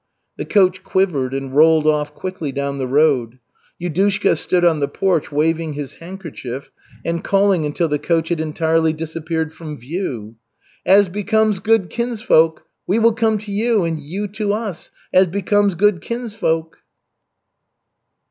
The coach quivered and rolled off quickly down the road. Yudushka stood on the porch waving his handkerchief and calling until the coach had entirely disappeared from view: "As becomes good kinsfolk! We will come to you, and you to us as becomes good kinsfolk!"